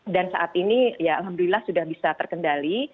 dan saat ini ya alhamdulillah sudah bisa terkendali